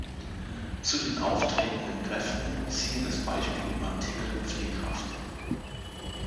Zu den auftretenden Kräften siehe das Beispiel im Artikel Fliehkraft.